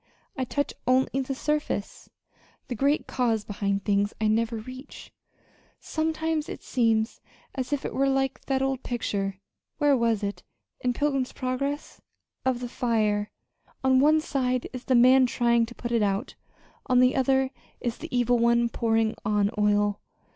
I touch only the surface. The great cause behind things I never reach. Sometimes it seems as if it were like that old picture where was it? in Pilgrim's Progress? of the fire. On one side is the man trying to put it out; on the other, is the evil one pouring on oil.